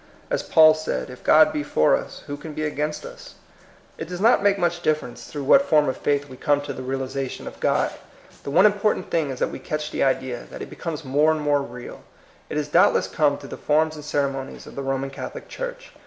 As Paul said, ^^ If God be for us, who can be against us?" It does not make much difference through THE HAPPY LIFE. 197 what form of faith we come to the reali zation of God. The one important thing is that we catch the idea, that it become more and more real. It has doubtless come through the forms and ceremonies of the Roman Catholic Church.